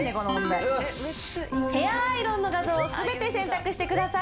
ヘアアイロンの画像を全て選択してください。